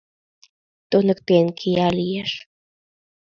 — Туныктен кия лиеш...